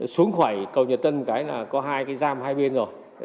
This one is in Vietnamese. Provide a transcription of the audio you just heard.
xuống khỏi cầu nhật tân cái là có hai cái giam hai bên rồi